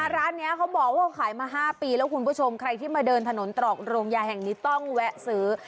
ร้านนี้เขาบอกว่าเขาขายมา๕ปีแล้วคุณผู้ชมใครที่มาเดินถนนตรอกโรงยาแห่งนี้ต้องแวะซื้อ